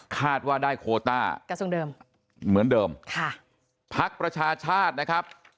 คาดว่าได้โคต้ากระทรวงเดิมเหมือนเดิมค่ะพักประชาชาตินะครับ